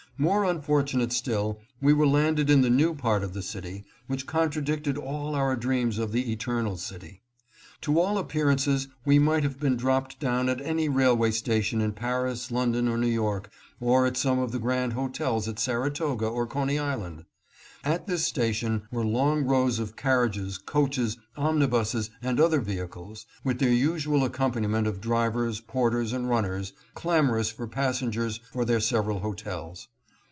More unfortunate still, we were landed in the new part of the city, which contradicted all our dreams of the Eternal City. To all appearances we might have been dropped down at any railway station in Paris, London or New York, or at some of the grand hotels at Saratoga or Coney Island. At this station were long rows of carriages, coaches, omnibuses and other vehicles, with their usual accompaniment of drivers, porters and runners, clamorous for passengers for their several hotels.